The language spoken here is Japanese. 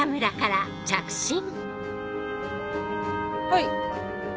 はい。